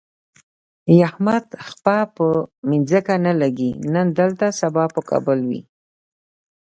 د احمد پښه په ځمکه نه لږي، نن دلته سبا په کابل وي.